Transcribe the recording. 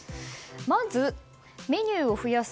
まずメニューを増やす